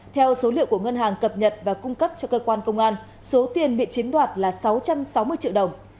theo số liệu của ngân hàng cập nhật và cung cấp cho cơ quan công an số tiền bị chiếm đoạt là sáu trăm sáu mươi triệu đồng